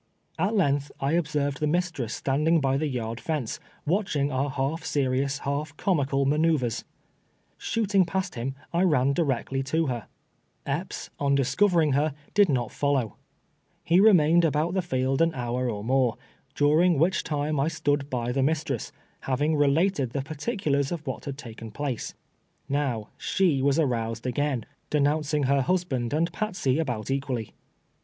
At length I observed the mistress standing by the yard fence, ■watching our half serious, half comical manoiuvres. Shooting past him, I ran directly to hor. Epps, on rROTECTED BY THE JHSTKESS. 229 discovering her, did not follow. lie remained about the field an lioiir or more, dnring which time I stood by the mistress, liaving related the particulars of "what had taken place. Now, she was aroused again, denouncing her husband and Patsey about equally.